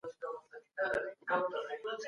نوی نسل به د خپل انساني کرامت دفاع وکړي.